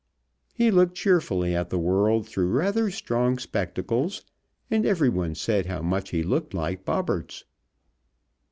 He looked cheerfully at the world through rather strong spectacles, and everyone said how much he looked like Bobberts.